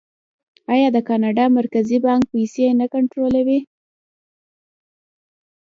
آیا د کاناډا مرکزي بانک پیسې نه کنټرولوي؟